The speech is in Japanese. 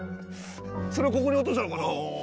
それをここに落としたのかな？